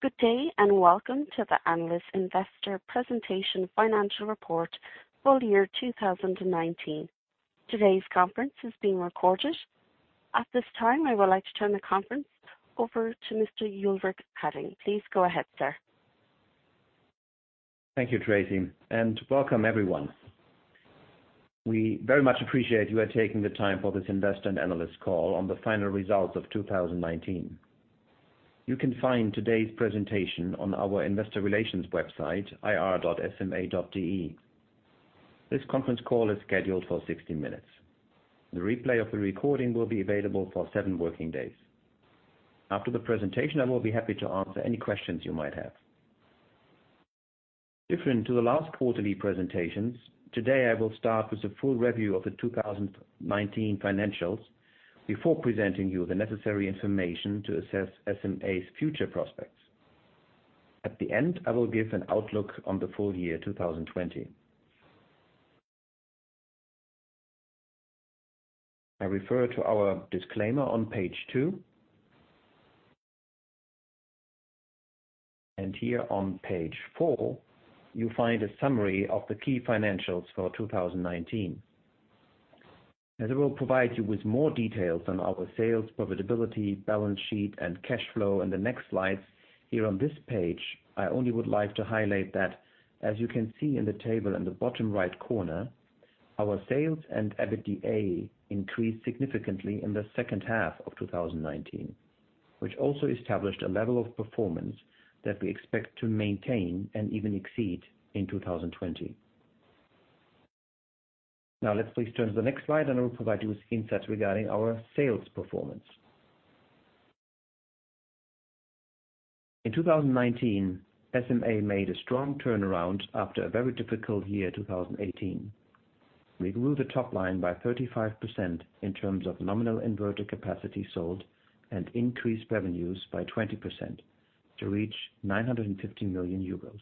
Good day. Welcome to the analyst investor presentation financial report for the year 2019. Today's conference is being recorded. At this time, I would like to turn the conference over to Mr. Ulrich Hadding. Please go ahead, sir. Thank you, Tracy, and welcome everyone. We very much appreciate you are taking the time for this investor and analyst call on the final results of 2019. You can find today's presentation on our investor relations website, ir.sma.de. This conference call is scheduled for 60 minutes. The replay of the recording will be available for seven working days. After the presentation, I will be happy to answer any questions you might have. Different to the last quarterly presentations, today I will start with a full review of the 2019 financials before presenting you the necessary information to assess SMA's future prospects. At the end, I will give an outlook on the full year 2020. I refer to our disclaimer on page two. Here on page four, you find a summary of the key financials for 2019. As I will provide you with more details on our sales, profitability, balance sheet, and cash flow in the next slides, here on this page, I only would like to highlight that as you can see in the table in the bottom right corner, our sales and EBITDA increased significantly in the second half of 2019. Also established a level of performance that we expect to maintain and even exceed in 2020. Let's please turn to the next slide, and I will provide you with insights regarding our sales performance. In 2019, SMA made a strong turnaround after a very difficult year 2018. We grew the top line by 35% in terms of nominal inverter capacity sold and increased revenues by 20% to reach 950 million euros.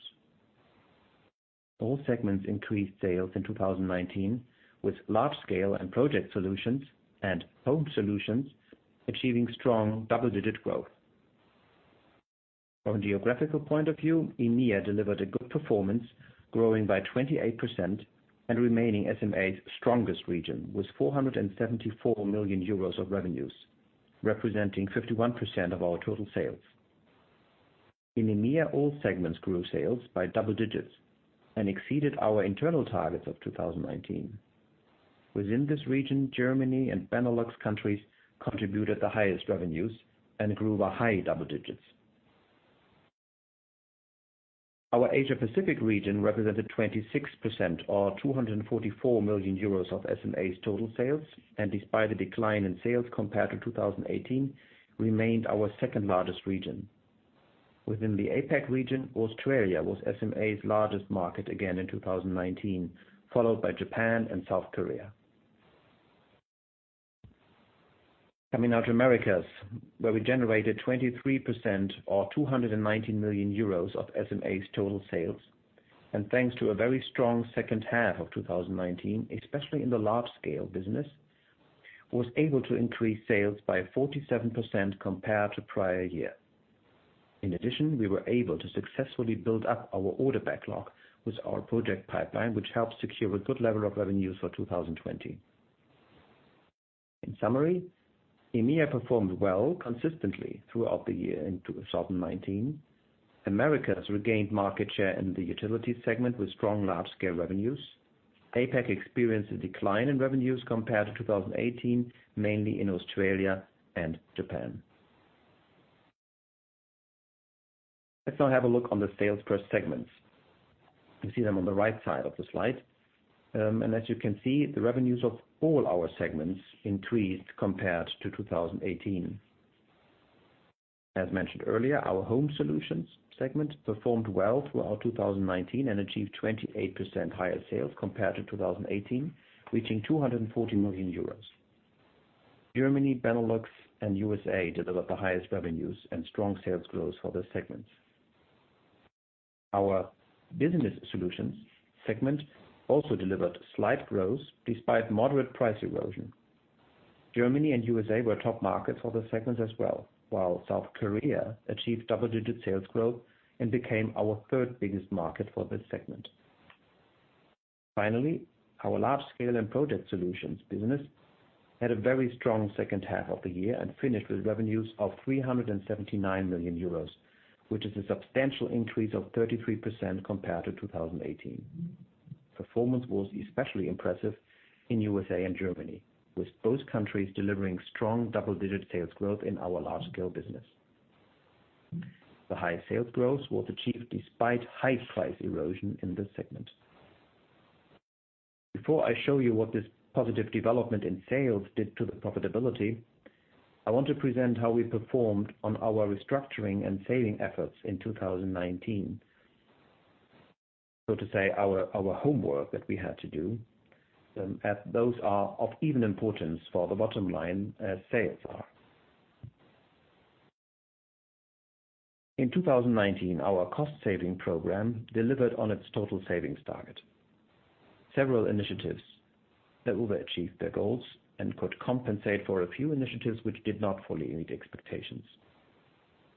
All segments increased sales in 2019 with large scale and project solutions and home solutions achieving strong double-digit growth. From a geographical point of view, EMEA delivered a good performance, growing by 28% and remaining SMA's strongest region with 474 million euros of revenues, representing 51% of our total sales. In EMEA, all segments grew sales by double digits and exceeded our internal targets of 2019. Within this region, Germany and Benelux countries contributed the highest revenues and grew by high double digits. Our Asia Pacific region represented 26%, or 244 million euros of SMA's total sales. Despite the decline in sales compared to 2018, remained our second-largest region. Within the APAC region, Australia was SMA's largest market again in 2019, followed by Japan and South Korea. Coming now to Americas, where we generated 23%, or 219 million euros of SMA's total sales. Thanks to a very strong second half of 2019, especially in the large scale and project solutions, was able to increase sales by 47% compared to prior year. In addition, we were able to successfully build up our order backlog with our project pipeline, which helps secure a good level of revenues for 2020. In summary, EMEA performed well consistently throughout the year in 2019. Americas regained market share in the utility segment with strong large-scale revenues. APAC experienced a decline in revenues compared to 2018, mainly in Australia and Japan. Let's now have a look at the sales per segments. You see them on the right side of the slide. As you can see, the revenues of all our segments increased compared to 2018. As mentioned earlier, our Home Solutions segment performed well throughout 2019 and achieved 28% higher sales compared to 2018, reaching 240 million euros. Germany, Benelux, and U.S.A. developed the highest revenues and strong sales growth for this segment. Our business solutions segment also delivered slight growth despite moderate price erosion. Germany and U.S.A. were top markets for this segment as well, while South Korea achieved double-digit sales growth and became our third-biggest market for this segment. Finally, our large scale and project solutions business had a very strong second half of the year and finished with revenues of 379 million euros, which is a substantial increase of 33% compared to 2018. Performance was especially impressive in U.S.A. and Germany, with both countries delivering strong double-digit sales growth in our large-scale business. The high sales growth was achieved despite high price erosion in this segment. Before I show you what this positive development in sales did to the profitability, I want to present how we performed on our restructuring and saving efforts in 2019. To say, our homework that we had to do, as those are of even importance for the bottom line as sales are. In 2019, our cost-saving program delivered on its total savings target. Several initiatives that overachieved their goals and could compensate for a few initiatives which did not fully meet expectations.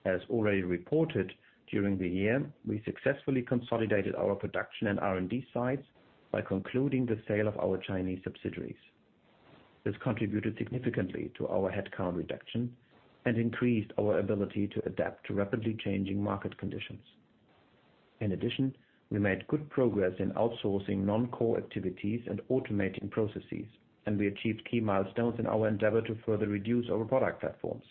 As already reported during the year, we successfully consolidated our production and R&D sites by concluding the sale of our Chinese subsidiaries. This contributed significantly to our headcount reduction and increased our ability to adapt to rapidly changing market conditions. In addition, we made good progress in outsourcing non-core activities and automating processes, and we achieved key milestones in our endeavor to further reduce our product platforms.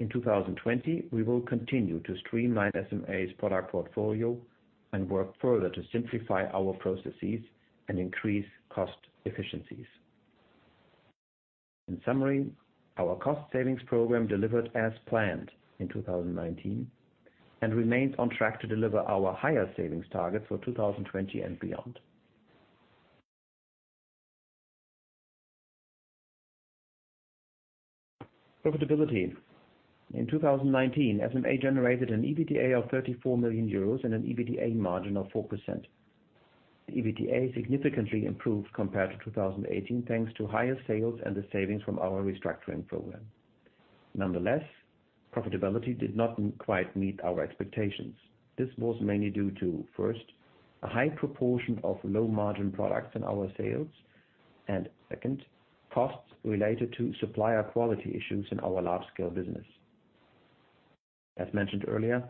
In 2020, we will continue to streamline SMA's product portfolio and work further to simplify our processes and increase cost efficiencies. In summary, our cost savings program delivered as planned in 2019 and remains on track to deliver our higher savings targets for 2020 and beyond. Profitability. In 2019, SMA generated an EBITDA of 34 million euros and an EBITDA margin of 4%. The EBITDA significantly improved compared to 2018 thanks to higher sales and the savings from our restructuring program. Nonetheless, profitability did not quite meet our expectations. This was mainly due to, first, a high proportion of low-margin products in our sales, and second, costs related to supplier quality issues in our large-scale business. As mentioned earlier,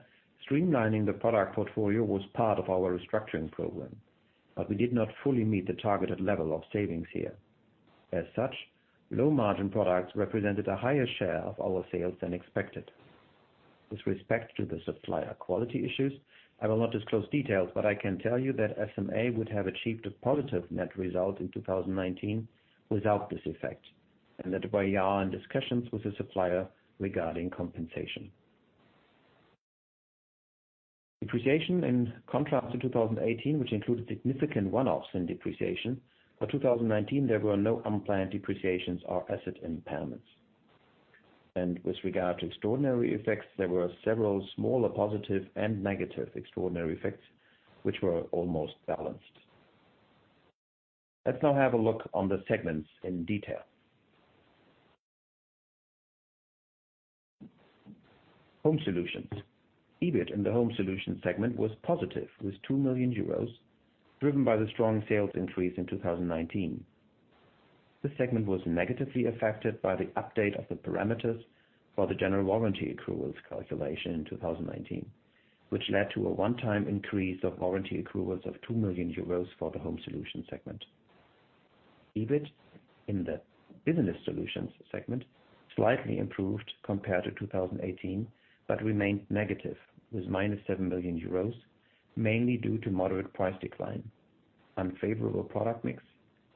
streamlining the product portfolio was part of our restructuring program, but we did not fully meet the targeted level of savings here. As such, low-margin products represented a higher share of our sales than expected. With respect to the supplier quality issues, I will not disclose details, but I can tell you that SMA would have achieved a positive net result in 2019 without this effect, and that we are in discussions with the supplier regarding compensation. Depreciation in contrast to 2018, which included significant one-offs in depreciation. For 2019, there were no unplanned depreciations or asset impairments. With regard to extraordinary effects, there were several smaller positive and negative extraordinary effects, which were almost balanced. Let's now have a look on the segments in detail. Home solutions. EBIT in the home solutions segment was positive with 2 million euros, driven by the strong sales increase in 2019. This segment was negatively affected by the update of the parameters for the general warranty accruals calculation in 2019, which led to a one-time increase of warranty accruals of 2 million euros for the home solutions segment. EBIT in the business solutions segment slightly improved compared to 2018, but remained negative with minus 7 million euros, mainly due to moderate price decline, unfavorable product mix,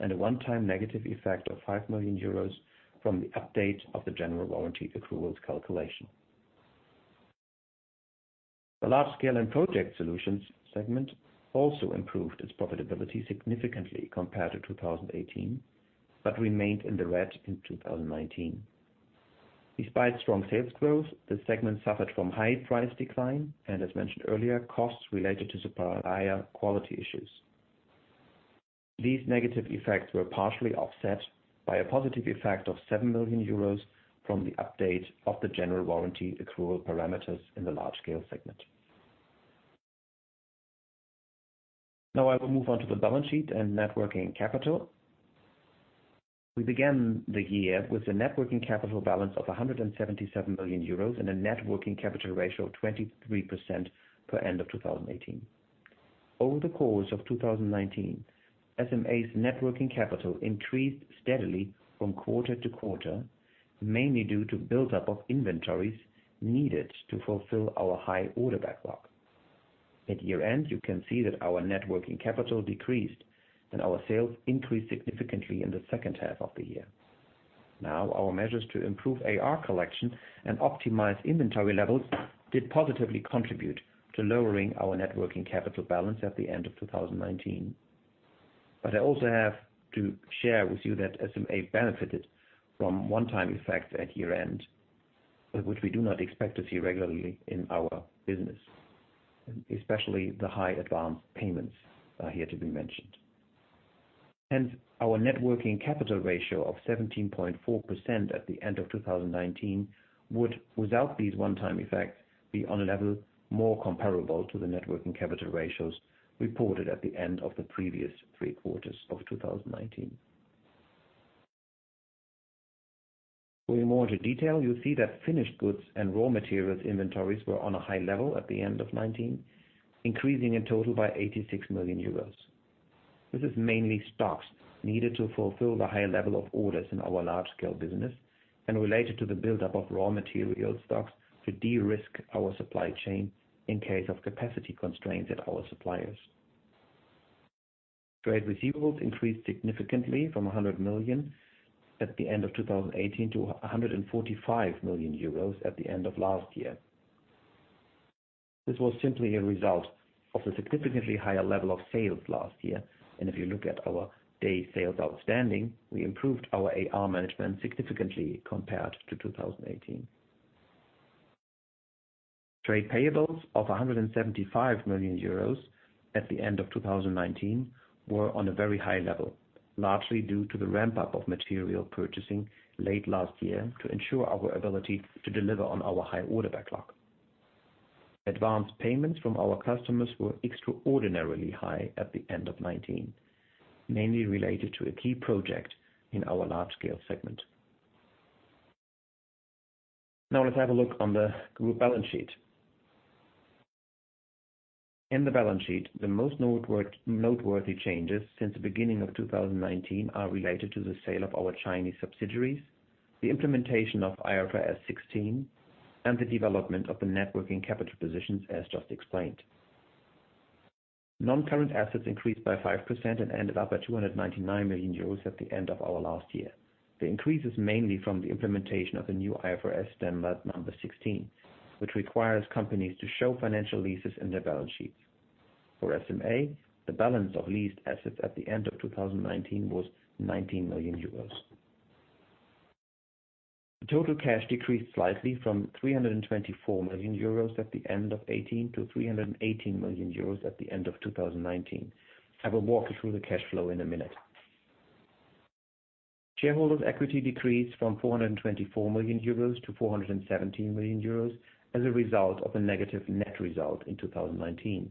and a one-time negative effect of 5 million euros from the update of the general warranty accruals calculation. The large scale and project solutions segment also improved its profitability significantly compared to 2018, but remained in the red in 2019. Despite strong sales growth, this segment suffered from high price decline and, as mentioned earlier, costs related to supplier quality issues. These negative effects were partially offset by a positive effect of 7 million euros from the update of the general warranty accrual parameters in the Large Scale segment. Now I will move on to the balance sheet and net working capital. We began the year with a net working capital balance of 177 million euros and a net working capital ratio of 23% per end of 2018. Over the course of 2019, SMA's net working capital increased steadily from quarter to quarter, mainly due to buildup of inventories needed to fulfill our high order backlog. At year-end, you can see that our net working capital decreased and our sales increased significantly in the second half of the year. Our measures to improve AR collection and optimize inventory levels did positively contribute to lowering our net working capital balance at the end of 2019. I also have to share with you that SMA benefited from one-time effects at year-end, which we do not expect to see regularly in our business, especially the high advance payments are here to be mentioned. Hence, our net working capital ratio of 17.4% at the end of 2019 would, without these one-time effects, be on a level more comparable to the net working capital ratios reported at the end of the previous three quarters of 2019. Going more into detail, you see that finished goods and raw materials inventories were on a high level at the end of 2019, increasing in total by 86 million euros. This is mainly stocks needed to fulfill the high level of orders in our large-scale business and related to the buildup of raw material stocks to de-risk our supply chain in case of capacity constraints at our suppliers. Trade receivables increased significantly from 100 million at the end of 2018 to 145 million euros at the end of last year. This was simply a result of the significantly higher level of sales last year. If you look at our day sales outstanding, we improved our AR management significantly compared to 2018. Trade payables of 175 million euros at the end of 2019 were on a very high level, largely due to the ramp-up of material purchasing late last year to ensure our ability to deliver on our high order backlog. Advanced payments from our customers were extraordinarily high at the end of 2019, mainly related to a key project in our Large Scale segment. Now let's have a look on the group balance sheet. In the balance sheet, the most noteworthy changes since the beginning of 2019 are related to the sale of our Chinese subsidiaries, the implementation of IFRS 16, and the development of the net working capital positions, as just explained. Non-current assets increased by 5% and ended up at 299 million euros at the end of our last year. The increase is mainly from the implementation of the new IFRS 16, which requires companies to show financial leases in their balance sheets. For SMA, the balance of leased assets at the end of 2019 was 19 million euros. The total cash decreased slightly from 324 million euros at the end of 2018 to 318 million euros at the end of 2019. I will walk you through the cash flow in a minute. Shareholders' equity decreased from 424 million euros to 417 million euros as a result of a negative net result in 2019.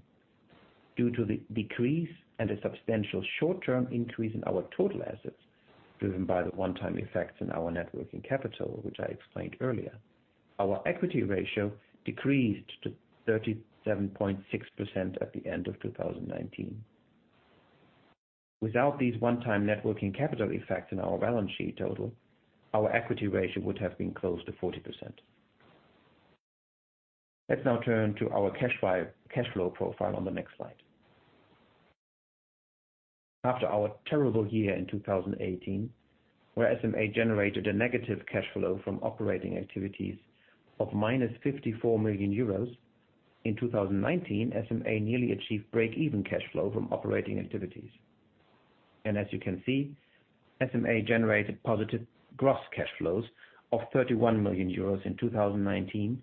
Due to the decrease and a substantial short-term increase in our total assets, driven by the one-time effects in our net working capital, which I explained earlier, our equity ratio decreased to 37.6% at the end of 2019. Without these one-time net working capital effects in our balance sheet total, our equity ratio would have been close to 40%. Let's now turn to our cash flow profile on the next slide. After our terrible year in 2018, where SMA generated a negative cash flow from operating activities of minus 54 million euros, in 2019, SMA nearly achieved break-even cash flow from operating activities. As you can see, SMA generated positive gross cash flows of 31 million euros in 2019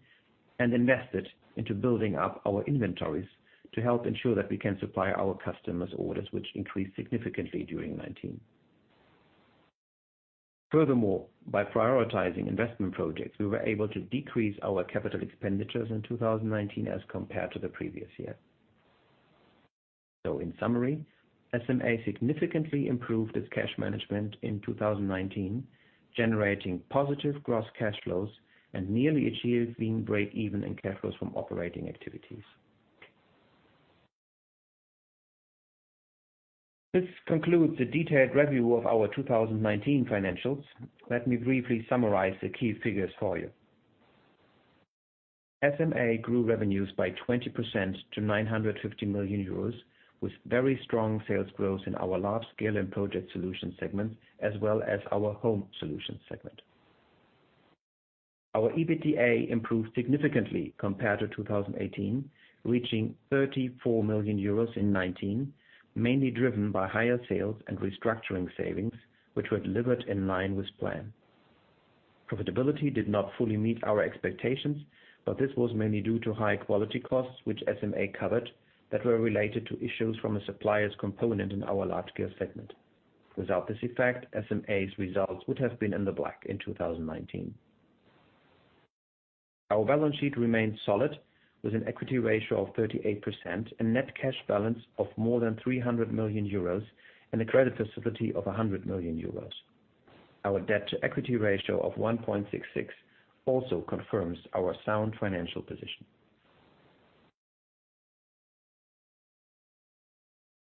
and invested into building up our inventories to help ensure that we can supply our customers' orders, which increased significantly during 2019. Furthermore, by prioritizing investment projects, we were able to decrease our capital expenditures in 2019 as compared to the previous year. In summary, SMA significantly improved its cash management in 2019, generating positive gross cash flows and nearly achieving break even in cash flows from operating activities. This concludes the detailed review of our 2019 financials. Let me briefly summarize the key figures for you. SMA grew revenues by 20% to 950 million euros, with very strong sales growth in our large scale and project solutions segments, as well as our home solutions segment. Our EBITDA improved significantly compared to 2018, reaching 34 million euros in 2019, mainly driven by higher sales and restructuring savings, which were delivered in line with plan. Profitability did not fully meet our expectations, but this was mainly due to high quality costs which SMA covered that were related to issues from a supplier's component in our large scale segment. Without this effect, SMA's results would have been in the black in 2019. Our balance sheet remained solid, with an equity ratio of 38%, a net cash balance of more than 300 million euros and a credit facility of 100 million euros. Our debt-to-equity ratio of 1.66 also confirms our sound financial position.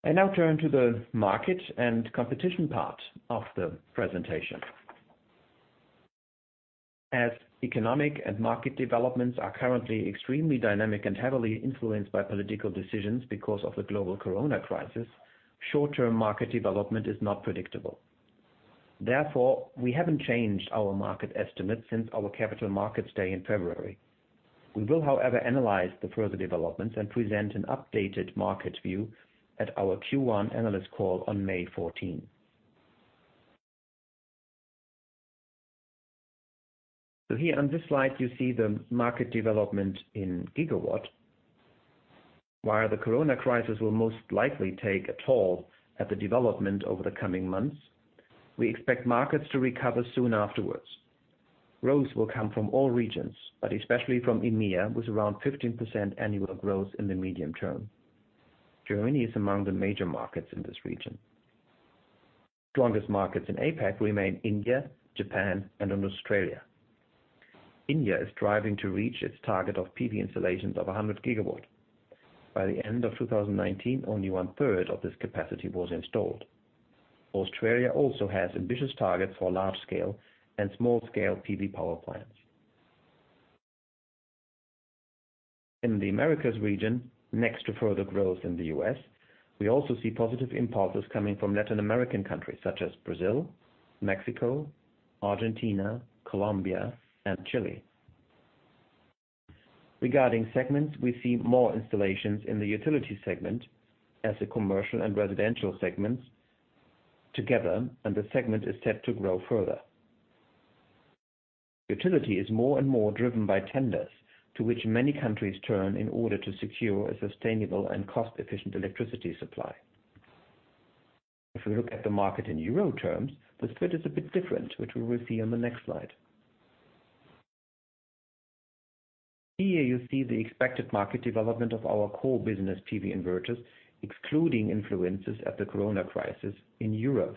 I now turn to the market and competition part of the presentation. As economic and market developments are currently extremely dynamic and heavily influenced by political decisions because of the global Corona crisis, short-term market development is not predictable. Therefore, we haven't changed our market estimate since our capital markets day in February. We will, however, analyze the further developments and present an updated market view at our Q1 analyst call on May 14. Here on this slide, you see the market development in gigawatt. While the Corona crisis will most likely take a toll at the development over the coming months, we expect markets to recover soon afterwards. Growth will come from all regions, but especially from EMEA, with around 15% annual growth in the medium term. Germany is among the major markets in this region. Strongest markets in APAC remain India, Japan, and Australia. India is striving to reach its target of PV installations of 100 GW. By the end of 2019, only one-third of this capacity was installed. Australia also has ambitious targets for large-scale and small-scale PV power plants. In the Americas region, next to further growth in the U.S., we also see positive impulses coming from Latin American countries such as Brazil, Mexico, Argentina, Colombia, and Chile. Regarding segments, we see more installations in the utility segment as a commercial and residential segments together, and the segment is set to grow further. Utility is more and more driven by tenders to which many countries turn in order to secure a sustainable and cost-efficient electricity supply. If we look at the market in euro terms, the split is a bit different, which we will see on the next slide. Here you see the expected market development of our core business PV inverters, excluding influences of the Corona crisis in euros.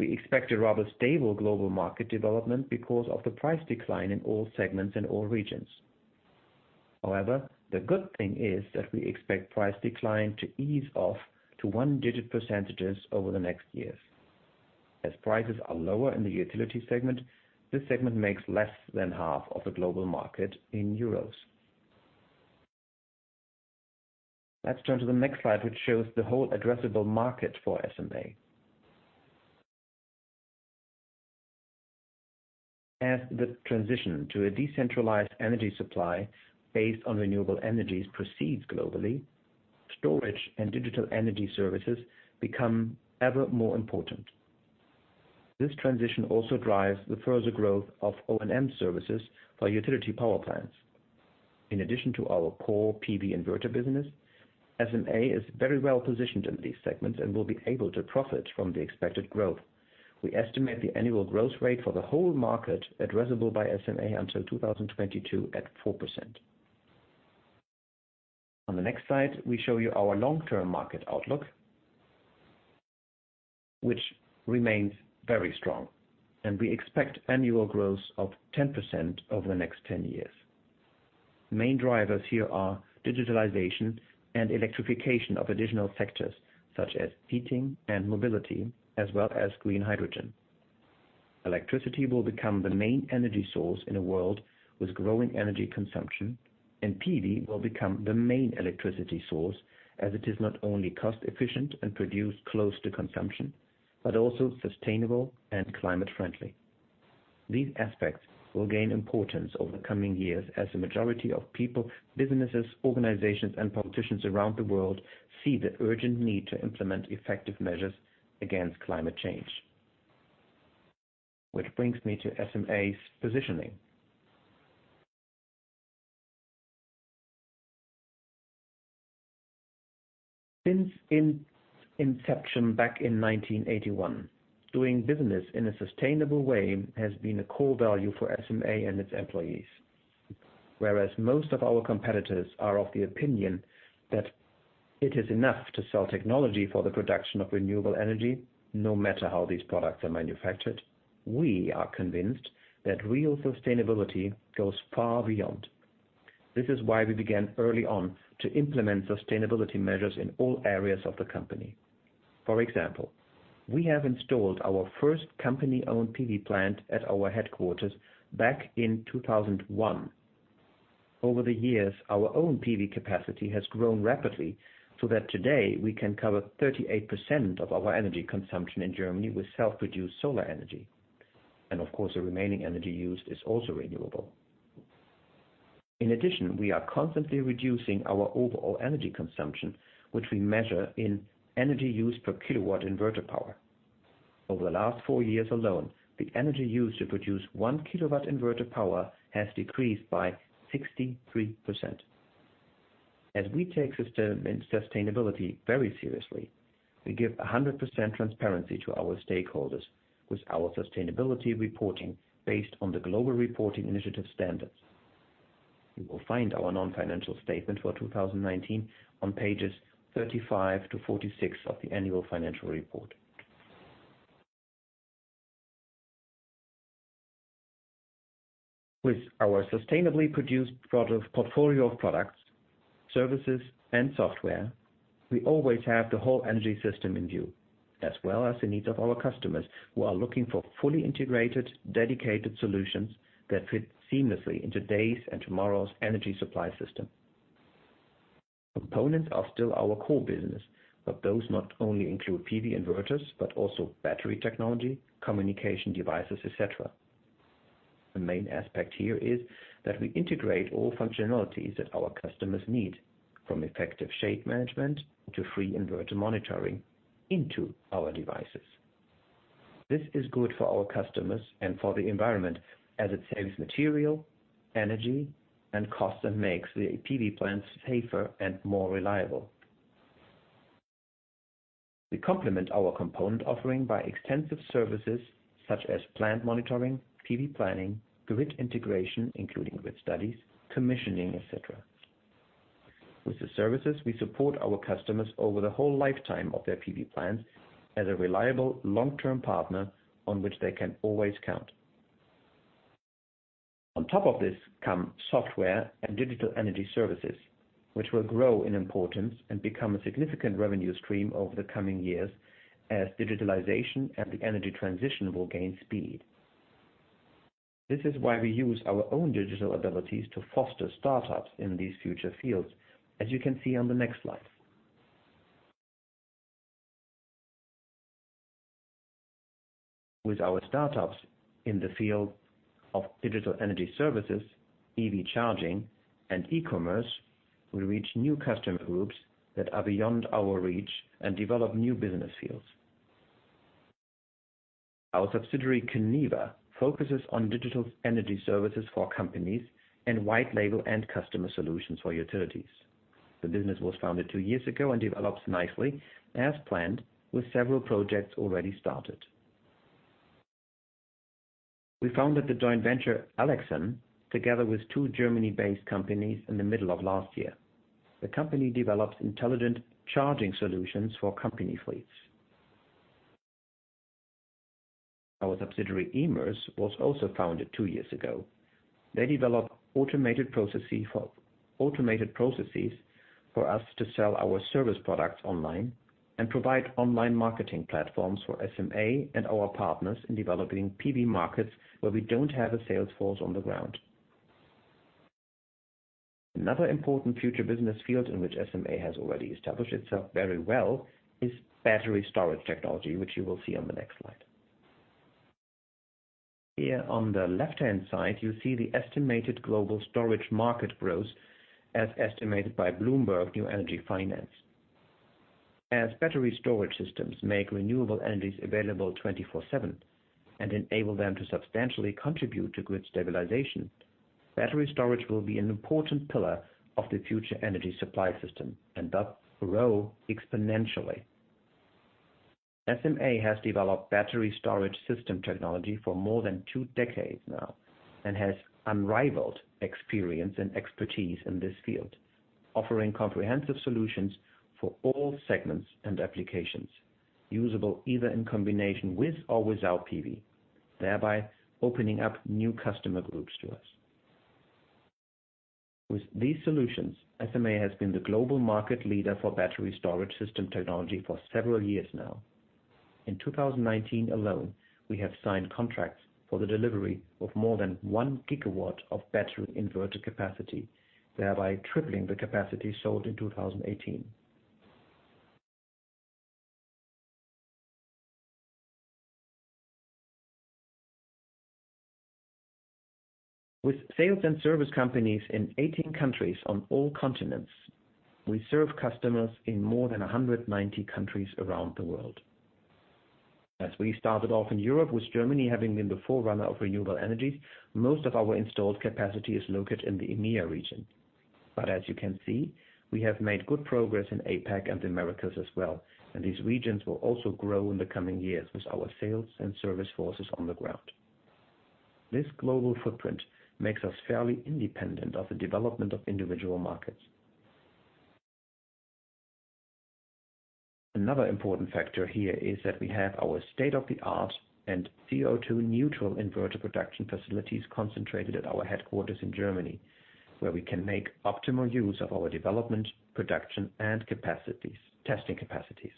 We expect a rather stable global market development because of the price decline in all segments and all regions. However, the good thing is that we expect price decline to ease off to one-digit percentages over the next years. As prices are lower in the utility segment, this segment makes less than half of the global market in EUR. Let's turn to the next slide, which shows the whole addressable market for SMA. As the transition to a decentralized energy supply based on renewable energies proceeds globally, storage and digital energy services become ever more important. This transition also drives the further growth of O&M services for utility power plants. In addition to our core PV inverter business, SMA is very well-positioned in these segments and will be able to profit from the expected growth. We estimate the annual growth rate for the whole market addressable by SMA until 2022 at 4%. On the next slide, we show you our long-term market outlook, which remains very strong, and we expect annual growth of 10% over the next 10 years. Main drivers here are digitalization and electrification of additional sectors such as heating and mobility, as well as green hydrogen. Electricity will become the main energy source in a world with growing energy consumption, and PV will become the main electricity source as it is not only cost-efficient and produced close to consumption, but also sustainable and climate friendly. These aspects will gain importance over the coming years as the majority of people, businesses, organizations, and politicians around the world see the urgent need to implement effective measures against climate change, which brings me to SMA's positioning. Since inception back in 1981, doing business in a sustainable way has been a core value for SMA and its employees. Whereas most of our competitors are of the opinion that it is enough to sell technology for the production of renewable energy, no matter how these products are manufactured, we are convinced that real sustainability goes far beyond. This is why we began early on to implement sustainability measures in all areas of the company. For example, we have installed our first company-owned PV plant at our headquarters back in 2001. Over the years, our own PV capacity has grown rapidly so that today we can cover 38% of our energy consumption in Germany with self-produced solar energy. Of course, the remaining energy used is also renewable. In addition, we are constantly reducing our overall energy consumption, which we measure in energy used per kilowatt inverter power. Over the last four years alone, the energy used to produce one kilowatt inverter power has decreased by 63%. As we take sustainability very seriously, we give 100% transparency to our stakeholders with our sustainability reporting based on the Global Reporting Initiative standards. You will find our non-financial statement for 2019 on pages 35-46 of the annual financial report. With our sustainably produced portfolio of products, services, and software, we always have the whole energy system in view, as well as the needs of our customers who are looking for fully integrated, dedicated solutions that fit seamlessly into today's and tomorrow's energy supply system. Components are still our core business, but those not only include PV inverters but also battery technology, communication devices, et cetera. The main aspect here is that we integrate all functionalities that our customers need, from effective shade management to free inverter monitoring, into our devices. This is good for our customers and for the environment as it saves material, energy, and cost and makes the PV plants safer and more reliable. We complement our component offering by extensive services such as plant monitoring, PV planning, grid integration, including grid studies, commissioning, et cetera. With the services, we support our customers over the whole lifetime of their PV plants as a reliable long-term partner on which they can always count. On top of this come software and digital energy services, which will grow in importance and become a significant revenue stream over the coming years as digitalization and the energy transition will gain speed. This is why we use our own digital abilities to foster startups in these future fields, as you can see on the next slide. With our startups in the field of digital energy services, EV charging, and e-commerce, we reach new customer groups that are beyond our reach and develop new business fields. Our subsidiary, coneva, focuses on digital energy services for companies and white label and customer solutions for utilities. The business was founded two years ago and develops nicely as planned with several projects already started. We founded the joint venture, Alecsun, together with two Germany-based companies in the middle of last year. The company develops intelligent charging solutions for company fleets. Our subsidiary, eMsys, was also founded two years ago. They develop automated processes for us to sell our service products online and provide online marketing platforms for SMA and our partners in developing PV markets where we don't have a salesforce on the ground. Another important future business field in which SMA has already established itself very well is battery storage technology, which you will see on the next slide. Here on the left-hand side, you see the estimated global storage market growth as estimated by Bloomberg New Energy Finance. As battery storage systems make renewable energies available 24/7 and enable them to substantially contribute to grid stabilization, battery storage will be an important pillar of the future energy supply system and thus grow exponentially. SMA has developed battery storage system technology for more than two decades now and has unrivaled experience and expertise in this field, offering comprehensive solutions for all segments and applications, usable either in combination with or without PV, thereby opening up new customer groups to us. With these solutions, SMA has been the global market leader for battery storage system technology for several years now. In 2019 alone, we have signed contracts for the delivery of more than one gigawatt of battery inverter capacity, thereby tripling the capacity sold in 2018. With sales and service companies in 18 countries on all continents, we serve customers in more than 190 countries around the world. We started off in Europe with Germany having been the forerunner of renewable energies, most of our installed capacity is located in the EMEA region. As you can see, we have made good progress in APAC and the Americas as well, and these regions will also grow in the coming years with our sales and service forces on the ground. This global footprint makes us fairly independent of the development of individual markets. Another important factor here is that we have our state-of-the-art and CO₂ neutral inverter production facilities concentrated at our headquarters in Germany, where we can make optimal use of our development, production, and testing capacities.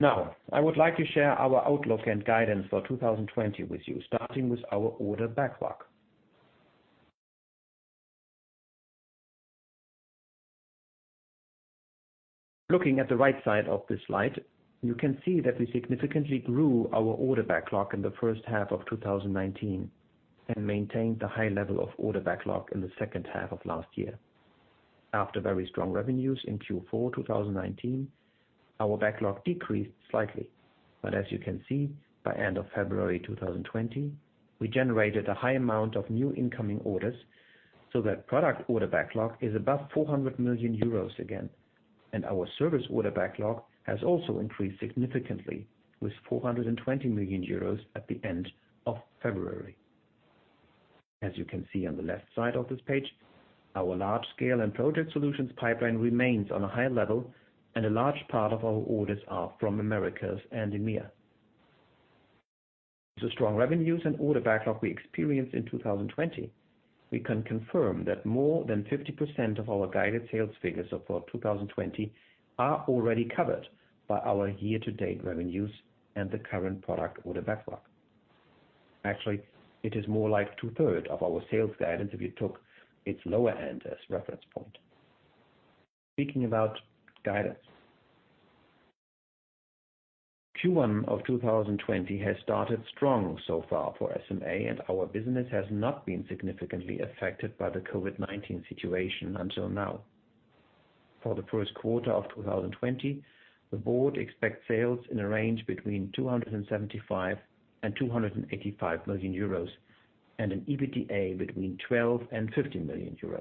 I would like to share our outlook and guidance for 2020 with you, starting with our order backlog. Looking at the right side of this slide, you can see that we significantly grew our order backlog in the first half of 2019 and maintained the high level of order backlog in the second half of last year. After very strong revenues in Q4 2019, our backlog decreased slightly, but as you can see, by end of February 2020, we generated a high amount of new incoming orders so that product order backlog is above 400 million euros again, and our service order backlog has also increased significantly with 420 million euros at the end of February. As you can see on the left side of this page, our large scale and project solutions pipeline remains on a high level, and a large part of our orders are from Americas and EMEA. The strong revenues and order backlog we experienced in 2020, we can confirm that more than 50% of our guided sales figures for 2020 are already covered by our year-to-date revenues and the current product order backlog. Actually, it is more like two-third of our sales guidance if you took its lower end as reference point. Speaking about guidance. Q1 of 2020 has started strong so far for SMA and our business has not been significantly affected by the COVID-19 situation until now. For the first quarter of 2020, the board expects sales in a range between 275 million and 285 million euros and an EBITDA between 12 million euros and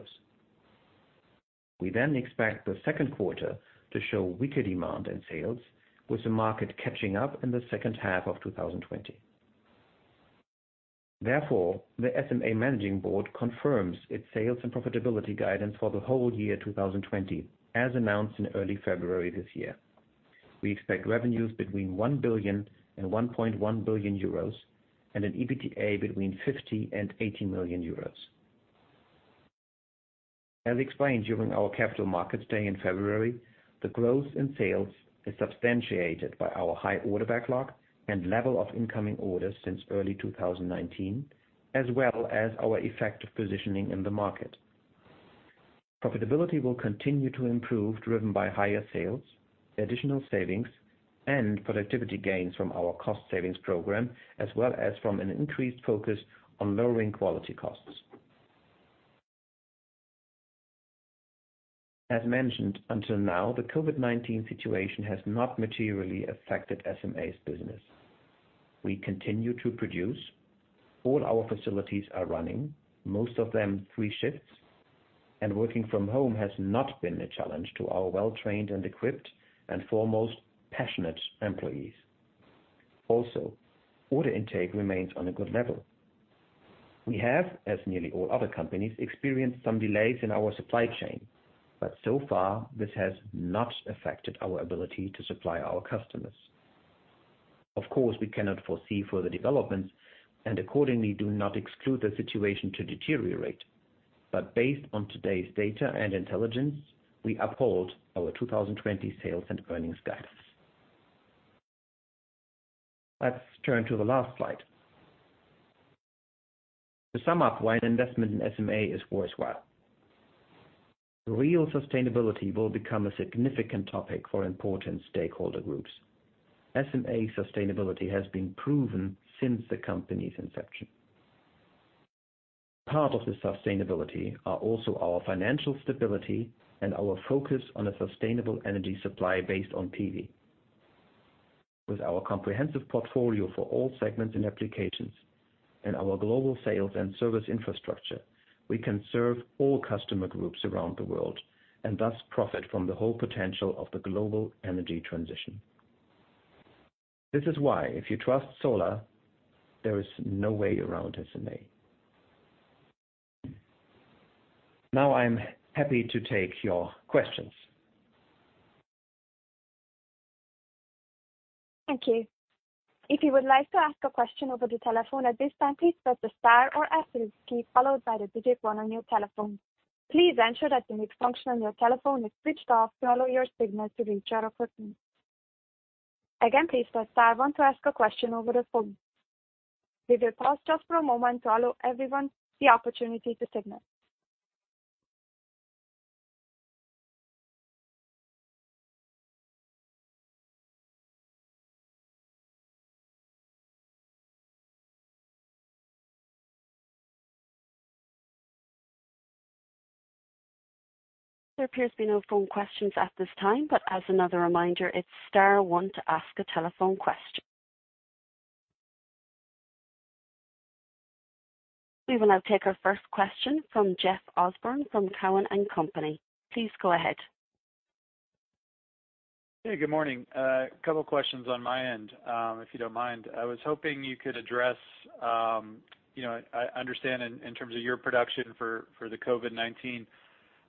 EUR 15 million. We expect the second quarter to show weaker demand in sales, with the market catching up in the second half of 2020. The SMA managing board confirms its sales and profitability guidance for the whole year 2020, as announced in early February this year. We expect revenues between 1 billion and 1.1 billion euros and an EBITDA between 50 million and 80 million euros. As explained during our capital markets day in February, the growth in sales is substantiated by our high order backlog and level of incoming orders since early 2019, as well as our effective positioning in the market. Profitability will continue to improve, driven by higher sales, additional savings, and productivity gains from our cost savings program, as well as from an increased focus on lowering quality costs. As mentioned until now, the COVID-19 situation has not materially affected SMA's business. We continue to produce. All our facilities are running, most of them three shifts, and working from home has not been a challenge to our well-trained and equipped and foremost passionate employees. Order intake remains on a good level. We have, as nearly all other companies, experienced some delays in our supply chain, but so far, this has not affected our ability to supply our customers. Of course, we cannot foresee further developments, and accordingly, do not exclude the situation to deteriorate. Based on today's data and intelligence, we uphold our 2020 sales and earnings guidance. Let's turn to the last slide. To sum up why an investment in SMA is worthwhile. Real sustainability will become a significant topic for important stakeholder groups. SMA sustainability has been proven since the company's inception. Part of the sustainability are also our financial stability and our focus on a sustainable energy supply based on PV. With our comprehensive portfolio for all segments and applications and our global sales and service infrastructure, we can serve all customer groups around the world, and thus profit from the whole potential of the global energy transition. This is why if you trust solar, there is no way around SMA. Now I am happy to take your questions. Thank you. If you would like to ask a question over the telephone at this time, please press the star or asterisk key, followed by the digit one on your telephone. Please ensure that the mute function on your telephone is switched off to allow your signal to reach our operator. Again, please press star one to ask a question over the phone. We will pause just for a moment to allow everyone the opportunity to signal. There appears to be no phone questions at this time, but as another reminder, it's star one to ask a telephone question. We will now take our first question from Jeff Osborne from Cowen and Company. Please go ahead. Hey, good morning. A couple of questions on my end, if you don't mind. I was hoping you could address, I understand in terms of your production for the COVID-19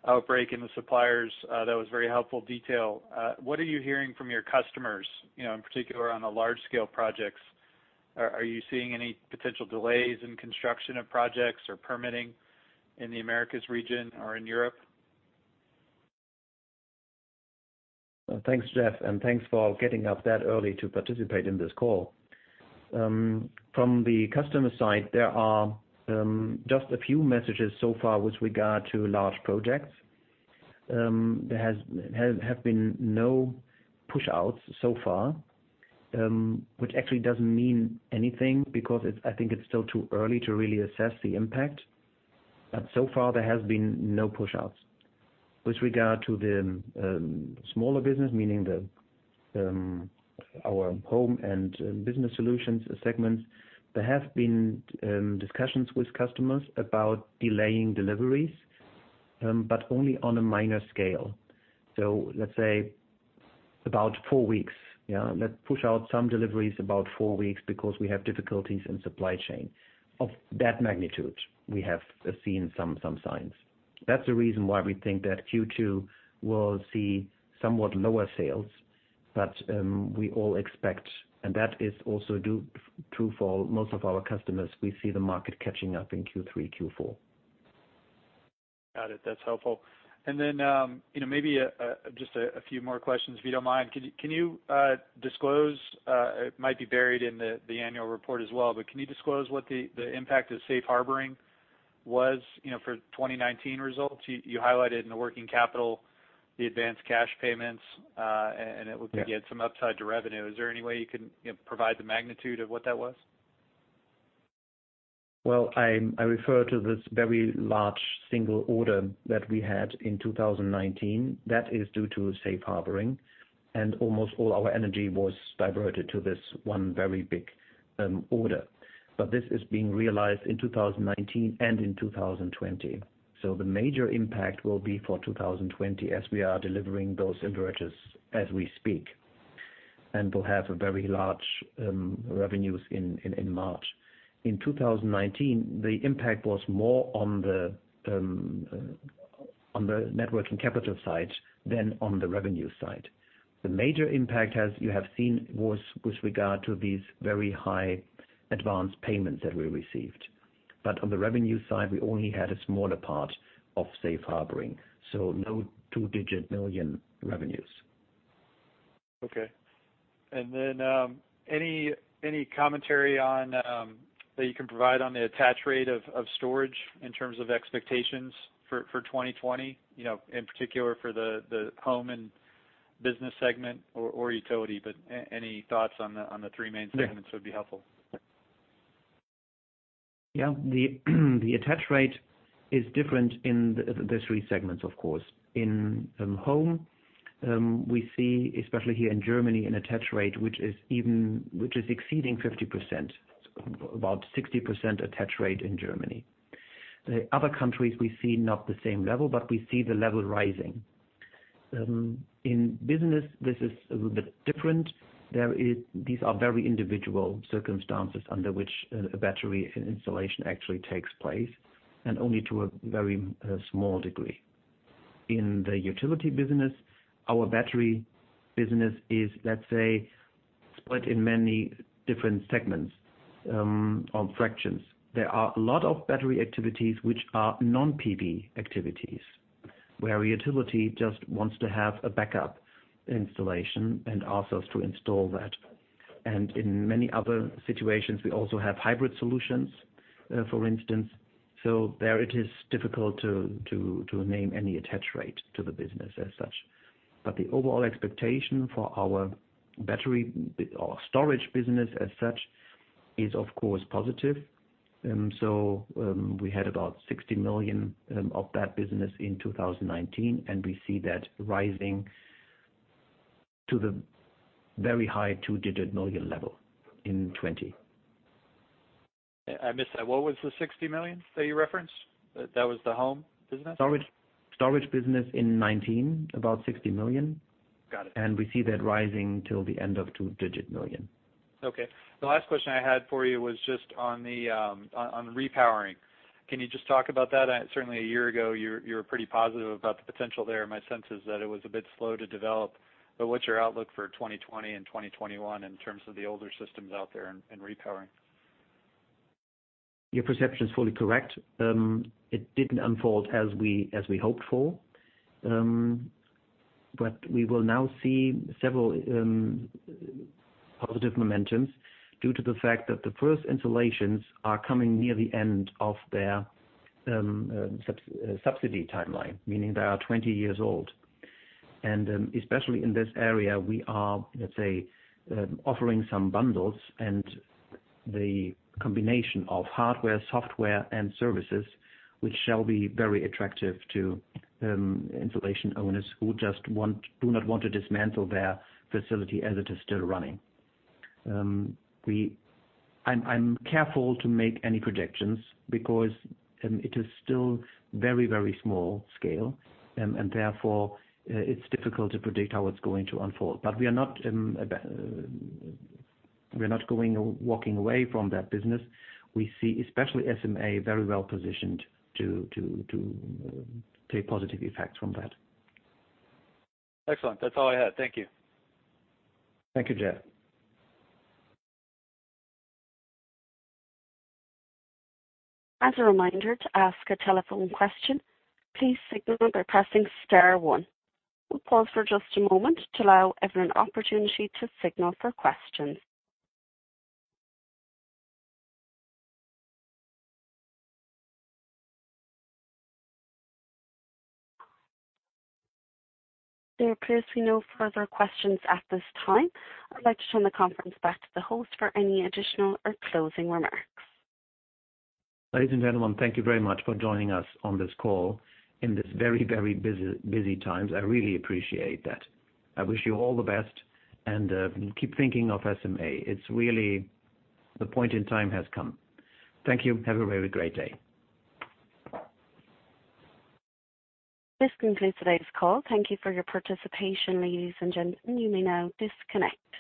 outbreak and the suppliers, that was very helpful detail. What are you hearing from your customers, in particular on the large-scale projects? Are you seeing any potential delays in construction of projects or permitting in the Americas region or in Europe? Thanks, Jeff, and thanks for getting up that early to participate in this call. From the customer side, there are just a few messages so far with regard to large projects. There have been no push-outs so far, which actually doesn't mean anything because I think it's still too early to really assess the impact. So far, there has been no push-outs. With regard to the smaller business, meaning our Home Solutions and Business Solutions segments, there have been discussions with customers about delaying deliveries, but only on a minor scale. Let's say about four weeks. Let's push out some deliveries about four weeks because we have difficulties in supply chain of that magnitude. We have seen some signs. That's the reason why we think that Q2 will see somewhat lower sales. We all expect, and that is also true for most of our customers, we see the market catching up in Q3, Q4. Got it. That's helpful. Then maybe just a few more questions, if you don't mind. Can you disclose, it might be buried in the annual report as well, but can you disclose what the impact of safe harboring was for 2019 results? You highlighted in the net working capital the advanced cash payments, and it would get some upside to revenue. Is there any way you can provide the magnitude of what that was? Well, I refer to this very large single order that we had in 2019. That is due to safe harboring. Almost all our energy was diverted to this one very big order. This is being realized in 2019 and in 2020. The major impact will be for 2020 as we are delivering those inverters as we speak and will have very large revenues in March. In 2019, the impact was more on the net working capital side than on the revenue side. The major impact, as you have seen, was with regard to these very high advanced payments that we received. On the revenue side, we only had a smaller part of safe harboring, no two-digit million revenues. Okay. Any commentary that you can provide on the attach rate of storage in terms of expectations for 2020, in particular for the home and business segment or utility, but any thoughts on the three main segments would be helpful. Yeah. The attach rate is different in the three segments, of course. In Home, we see, especially here in Germany, an attach rate which is exceeding 50%, about 60% attach rate in Germany. The other countries, we see not the same level, but we see the level rising. In Business, this is a little bit different. These are very individual circumstances under which a battery installation actually takes place, and only to a very small degree. In the utility business, our battery business is, let's say, split in many different segments or fractions. There are a lot of battery activities which are non-PV activities, where a utility just wants to have a backup installation and asks us to install that. In many other situations, we also have hybrid solutions, for instance. There it is difficult to name any attach rate to the business as such. The overall expectation for our storage business as such is, of course, positive. We had about 60 million of that business in 2019, and we see that rising to the very high two-digit million level in 2020. I missed that. What was the 60 million that you referenced? That was the Home business? Storage business in 2019, about 60 million. Got it. We see that rising till the end of EUR two-digit million. Okay. The last question I had for you was just on repowering. Can you just talk about that? Certainly, a year ago, you were pretty positive about the potential there. My sense is that it was a bit slow to develop, but what's your outlook for 2020 and 2021 in terms of the older systems out there and repowering? Your perception is fully correct. It didn't unfold as we hoped for. We will now see several positive momentums due to the fact that the first installations are coming near the end of their subsidy timeline, meaning they are 20 years old. Especially in this area, we are offering some bundles and the combination of hardware, software, and services, which shall be very attractive to installation owners who do not want to dismantle their facility as it is still running. I'm careful to make any predictions because it is still very small scale, and therefore, it's difficult to predict how it's going to unfold. We're not walking away from that business. We see especially SMA very well positioned to take positive effects from that. Excellent. That's all I had. Thank you. Thank you, Jeff. As a reminder to ask a telephone question, please signal by pressing star one. We'll pause for just a moment to allow everyone opportunity to signal for questions. There appears to be no further questions at this time. I'd like to turn the conference back to the host for any additional or closing remarks. Ladies and gentlemen, thank you very much for joining us on this call in this very busy times. I really appreciate that. I wish you all the best, and keep thinking of SMA. The point in time has come. Thank you. Have a very great day. This concludes today's call. Thank you for your participation, ladies and gentlemen. You may now disconnect.